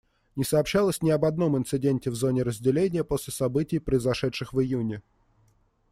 Не сообщалось ни об одном инциденте в зоне разделения после событий, произошедших в июне.